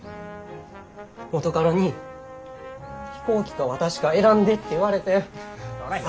元カノに飛行機か私か選んでって言われてん。